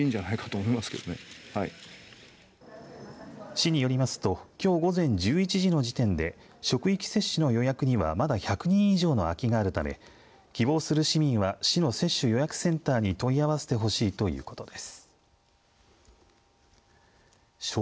市によりますときょう午前１１時の時点で職域接種の予約にはまだ１００人以上の空きがあるため希望する市民は市の接種予約センターに問い合わせてほしいということです。